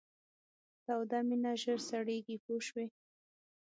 توده مینه ژر سړیږي پوه شوې!.